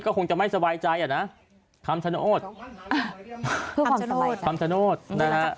ก็คงจะไม่สบายใจอ่ะนะคำสนโตฯคำสนโตฯคำสนโตฯนะฮะ